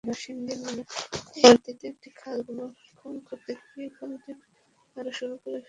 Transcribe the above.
নরসিংদীর মনোহরদীতে একটি খাল পুনঃখনন করতে গিয়ে খালটি আরও সরু করে ফেলা হয়েছে।